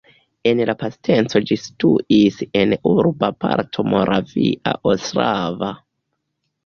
En la pasinteco ĝi situis en urba parto Moravia Ostrava.